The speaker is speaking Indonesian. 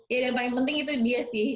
ya dan yang paling penting itu biar